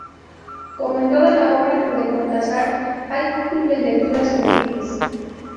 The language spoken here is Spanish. Como en toda la obra de Cortázar, hay múltiples lecturas posibles.